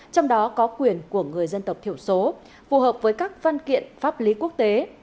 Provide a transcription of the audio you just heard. trong đó có quyền của người dân tộc thiểu số phù hợp với các văn kiện pháp lý quốc tế